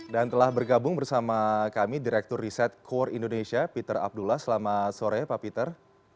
dan telah bergabung bersama kami direktur riset core indonesia peter abdullah selamat sore pak peter